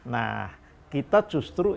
nah kita justru